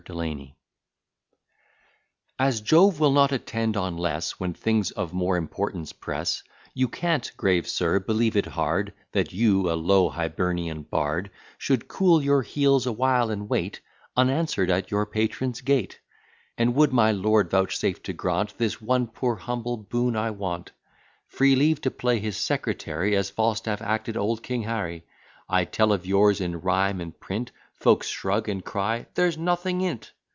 DELANY As Jove will not attend on less, When things of more importance press: You can't, grave sir, believe it hard, That you, a low Hibernian bard, Should cool your heels a while, and wait Unanswer'd at your patron's gate; And would my lord vouchsafe to grant This one poor humble boon I want, Free leave to play his secretary, As Falstaff acted old king Harry; I'd tell of yours in rhyme and print, Folks shrug, and cry, "There's nothing in't."